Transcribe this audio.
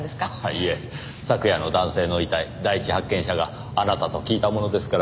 いえ昨夜の男性の遺体第一発見者があなたと聞いたものですから。